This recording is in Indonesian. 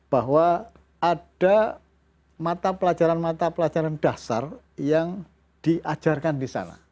bahwa ada mata pelajaran mata pelajaran dasar yang diajarkan di sana